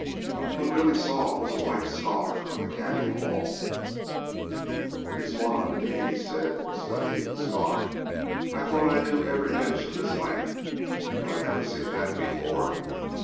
What Billy saw was a white scar on the canyon wall. "It's one on me," he said, studying the scar. "I thought I knew every inch of that land, but I never seen that before.